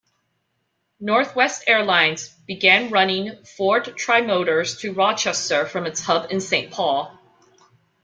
Northwest Airlines began running Ford Trimotors to Rochester from its hub in Saint Paul.